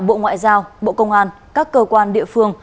bộ ngoại giao bộ công an các cơ quan địa phương